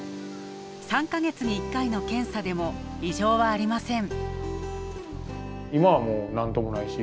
３か月に１回の検査でも異常はありません。